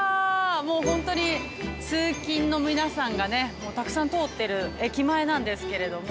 もう本当に、通勤の皆さんがたくさん通ってる駅前なんですけれども。